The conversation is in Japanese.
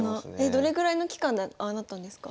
どれぐらいの期間でああなったんですか？